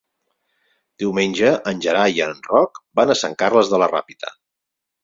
Diumenge en Gerai i en Roc van a Sant Carles de la Ràpita.